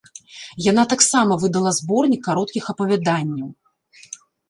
Яна таксама выдала зборнік кароткіх апавяданняў.